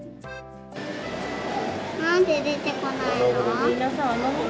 なんで出てこないの？